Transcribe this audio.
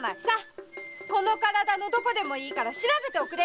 この体のどこでもいいから調べておくれよ。